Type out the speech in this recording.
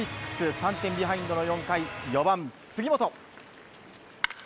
３点ビハインドの４回４番、杉本。